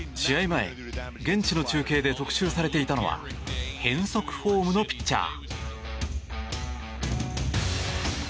前現地の中継で特集されていたのは変則フォームのピッチャー。